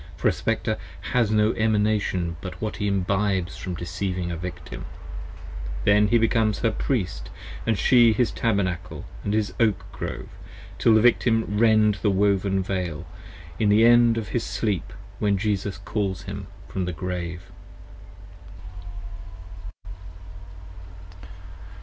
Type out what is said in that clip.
For a Spectre has no Emanation but what he imbibes from decieving 60 A Victim: Then he becomes her Priest & she his Tabernacle, And his Oak Grove, till the Victim rend the woven Veil, In the end of his sleep when Jesus calls him from his grave.